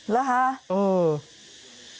แล้วฮะอืม